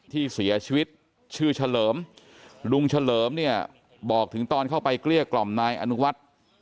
ที่เสียชีวิตชื่อเฉลิมลุงเฉลิมเนี่ยบอกถึงตอนเข้าไปเกลี้ยกล่อมนายอนุวัฒน์